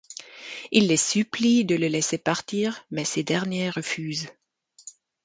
Il les supplie de le laisser partir, mais ces derniers refusent.